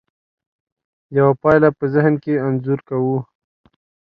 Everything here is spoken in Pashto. یوه پایله په ذهن کې انځور کوو.